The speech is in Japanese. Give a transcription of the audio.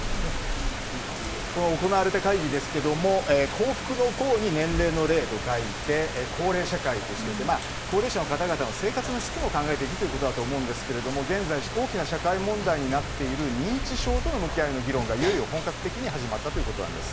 行われた会議ですけども幸福の幸に年齢の齢と書いて幸齢社会としていて高齢者の方々の生活の質も考えていくということだと思うんですが現在大きな社会問題となっている認知症との向き合いとの議論が本格的に始まったということです。